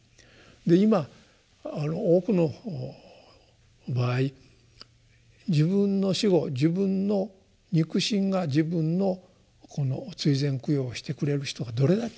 今多くの場合自分の死後自分の肉親が自分の追善供養をしてくれる人がどれだけいますか。